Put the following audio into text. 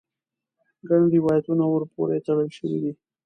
ګڼ روایتونه ور پورې تړل شوي دي.